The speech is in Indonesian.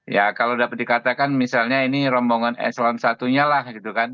ya kalau dapat dikatakan misalnya ini rombongan eslon satu nya lah gitu kan